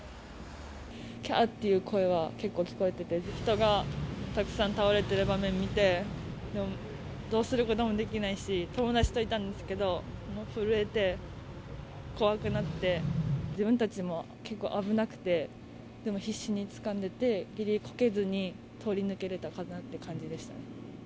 きゃーっていう声は結構聞こえてて、人がたくさん倒れてる場面見て、でも、どうすることもできないし、友達といたんですけど、もう震えて、怖くなって、自分たちも結構危なくて、でも必死につかんでて、ぎりこけずに、通り抜けれたかなという感じでした。